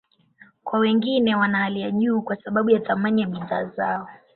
Kwa wengine, wana hali ya juu kwa sababu ya thamani ya bidhaa zao.